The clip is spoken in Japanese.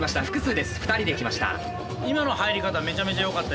２人で来ました。